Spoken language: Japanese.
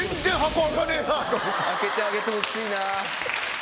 開けてあげてほしいな。